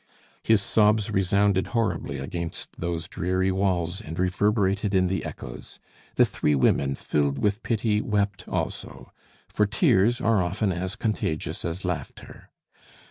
His sobs resounded horribly against those dreary walls and reverberated in the echoes. The three women, filled with pity, wept also; for tears are often as contagious as laughter.